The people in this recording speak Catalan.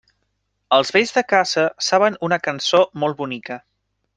Els vells de casa saben una cançó molt bonica.